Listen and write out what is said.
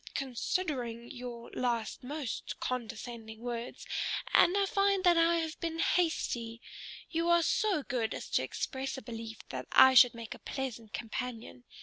considering your last most condescending words, and I find that I have been hasty. You are so good as to express a belief that I should make a pleasant companion.